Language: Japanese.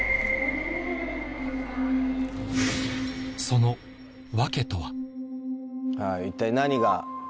その訳とは一体何が？